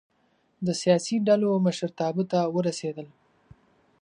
د سیاسي ډلو مشرتابه ته ورسېدل.